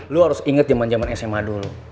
lo harus inget jaman jaman sma dulu